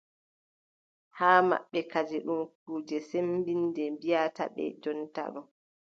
Haa maɓɓe kadi ɗum kuuje sembinnde wiʼɗaa ɓe jonta ɗo.